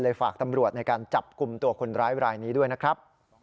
ฝากตำรวจในการจับกลุ่มตัวคนร้ายรายนี้ด้วยนะครับ